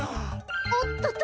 おっとと！